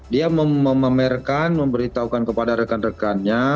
dia memamerkan memberitahukan kepada rekan rekannya